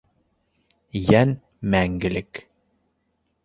Йән - мәңгелек.